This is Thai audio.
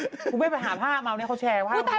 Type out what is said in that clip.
ครูเบ้ไปหาภาพมาเขาแชร์ภาพบันกระต่อนกัน